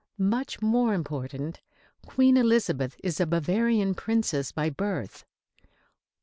Much more important, Queen Elisabeth is a Bavarian princess by birth.